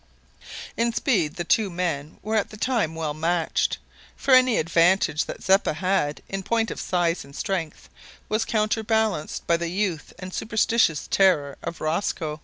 In speed the two men were at the time well matched, for any advantage that Zeppa had in point of size and strength was counterbalanced by the youth and superstitious terror of Rosco.